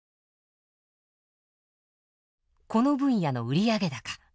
この分野の売上高。